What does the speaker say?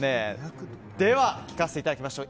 では聞かせていただきましょう。